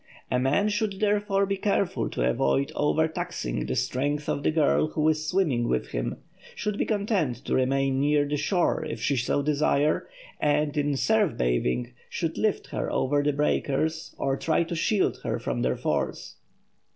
A man should therefore be careful to avoid overtaxing the strength of the girl who is swimming with him; should be content to remain near the shore if she so desire, and, in surf bathing, should lift her over the breakers, or try to shield her from their force.